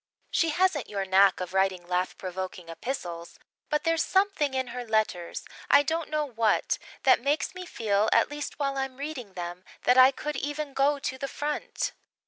She hasn't your knack of writing laugh provoking epistles, but there's something in her letters I don't know what that makes me feel at least while I'm reading them, that I could even go to the front.